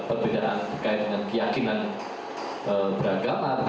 perbedaan kait dengan keyakinan beragama